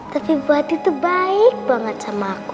tapi buah hati tuh baik banget sama aku